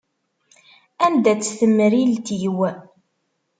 Anda-tt temrilt-iw?